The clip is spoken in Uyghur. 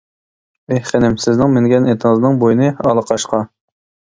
ئېھ، خېنىم سىزنىڭ، مىنگەن ئېتىڭىزنىڭ بوينى ئالا قاشقا.